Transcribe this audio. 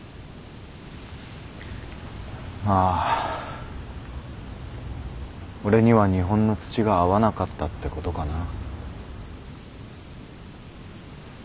まあ俺には日本の土が合わなかったってことかな。